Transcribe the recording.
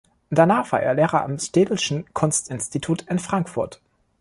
Danach war er Lehrer am Städelschen Kunstinstitut in Frankfurt.